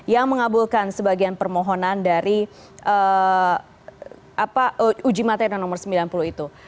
yang mengabulkan sebagian permohonan dari uji materi nomor sembilan puluh itu